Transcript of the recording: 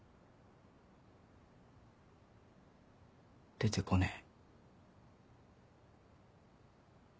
出てこねえ。